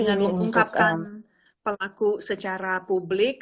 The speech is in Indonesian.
dengan mengungkapkan pelaku secara publik